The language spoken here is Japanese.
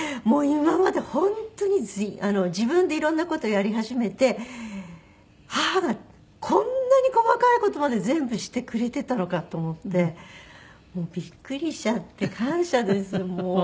もう今まで本当に自分でいろんな事やり始めて母がこんなに細かい事まで全部してくれてたのかと思ってビックリしちゃって感謝ですもう。